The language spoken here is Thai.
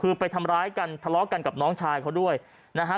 คือไปทำร้ายกันทะเลาะกันกับน้องชายเขาด้วยนะฮะ